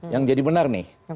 yang jadi benar nih